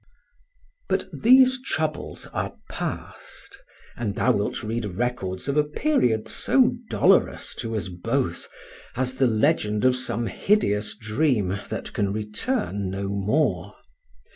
But these troubles are past; and thou wilt read records of a period so dolorous to us both as the legend of some hideous dream that can return no more.